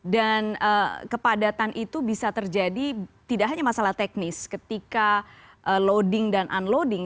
dan kepadatan itu bisa terjadi tidak hanya masalah teknis ketika loading dan unloading